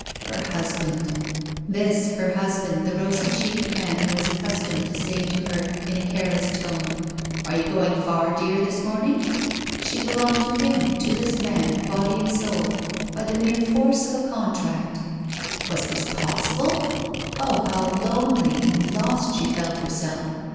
Her husband! This, her husband, the rosy cheeked man who was accustomed to say to her in a careless tone, "Are you going far, dear, this morning?" She belonged to him, to this man, body and soul, by the mere force of a contract. Was this possible? Ah! how lonely and lost she felt herself!